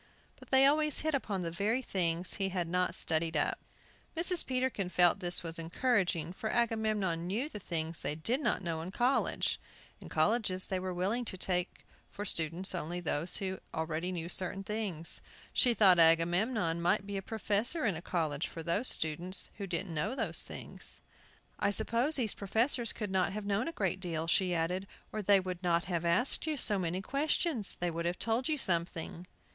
But they always hit upon the very things he had not studied up. Mrs. Peterkin felt this was encouraging, for Agamemnon knew the things they did not know in colleges. In colleges they were willing to take for students only those who already knew certain things. She thought Agamemnon might be a professor in a college for those students who didn't know those things. "I suppose these professors could not have known a great deal," she added, "or they would not have asked you so many questions; they would have told you something."